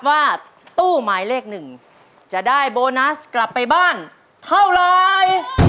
ว่าตู้หมายเลขหนึ่งจะได้โบนัสกลับไปบ้านเท่าไร